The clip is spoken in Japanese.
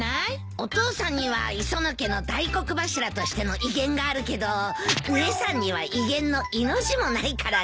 お父さんには磯野家の大黒柱としての威厳があるけど姉さんには威厳の威の字もないからね。